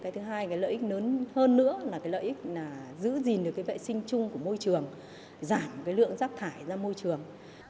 thứ hai là lợi ích lớn hơn nữa là lợi ích giữ gìn được vệ sinh chung của môi trường giảm lượng rác thải ra môi trường